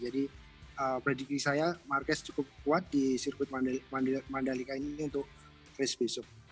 jadi peredikri saya marquez cukup kuat di sirkuit mandalika ini untuk race besok